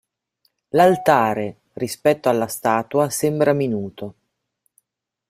L'altare, rispetto alla statua, sembra minuto.